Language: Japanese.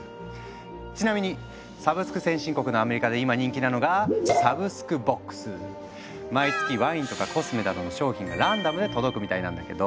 ちなみにサブスク先進国のアメリカで今人気なのが毎月ワインとかコスメなどの商品がランダムで届くみたいなんだけど。